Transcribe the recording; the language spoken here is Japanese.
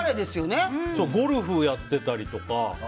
ゴルフやってたりとか。